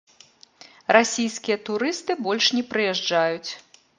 Расійскія турысты больш не прыязджаюць.